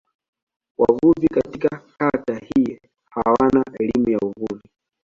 Wavuvi katika kata hii hawana elimu ya uvuvi.